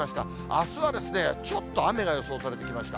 あすはちょっと雨が予想されてきました。